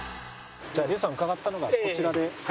有吉さん伺ったのがこちらで。